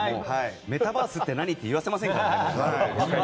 メタバースって何？って言わせませんから。